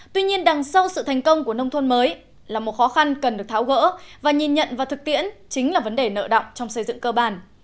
tuy nhiên đằng sau sự thành công của nông thôn mới là một khó khăn cần được tháo gỡ và nhìn nhận vào thực tiễn chính là vấn đề nợ động trong xây dựng cơ bản